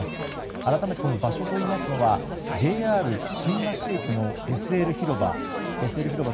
改めて場所といいますのはＪＲ新橋駅のＳＬ広場。